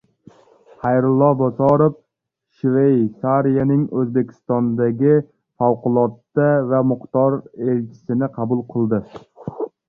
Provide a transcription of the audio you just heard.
Xayrullo Bozorov Shveysariyaning O‘zbekistondagi favqulodda va muxtor elchisini qabul qildi